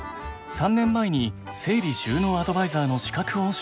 ３年前に整理収納アドバイザーの資格を取得。